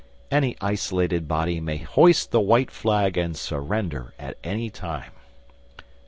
] (4) Any isolated body may hoist the white flag and surrender at any time.